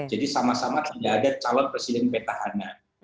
jadi sama sama tidak ada calon presiden petahana